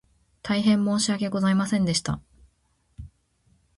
大変申し訳ございませんでした